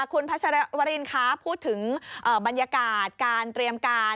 คุณพัชรวรินคะพูดถึงบรรยากาศการเตรียมการ